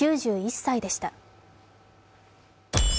９１歳でした。